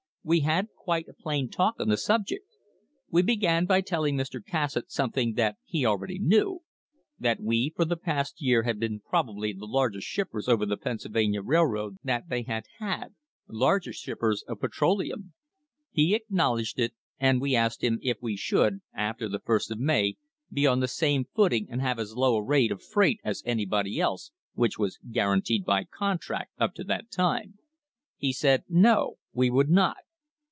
We had quite a plain talk on the subject. We began by telling Mr. Cassatt something that he already knew that we for the past year had been probably the largest shippers over the Pennsylvania Railroad that they had had; largest shippers of petroleum. He acknowledged it, and we asked him if we should, after the first of May, be on the same footing and have as low a rate of freight as anybody else, which was guaranteed by contract up to that time. He said no, we would not.